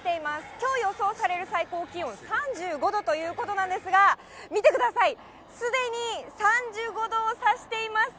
きょう予想される最高気温３５度ということなんですが、見てください、すでに３５度をさしています。